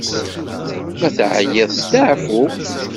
Ma teεyiḍ, steεfu!